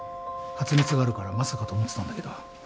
発熱があるからまさかと思ってたんだけど。